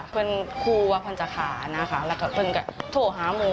เพื่อนคู่ว่าพันธ์จักรค่ะแล้วก็เพื่อนก็โถหามง